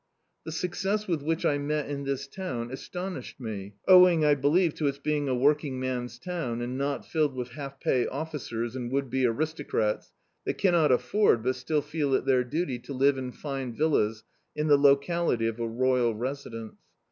The success with which I met in this town astonished me, owing, I believe, to its being a working man's town, and not filled with half pay officers and would be aristocrats that caimot afford, but still feel it their duty, to live in fine villas in the locality of a royal residence.